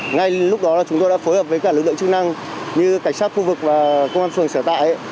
ngay lúc đó chúng tôi đã phối hợp với cả lực lượng chức năng như cảnh sát khu vực và công an phường sở tại